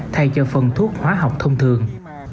thay cho phần thuốc hóa học thông thường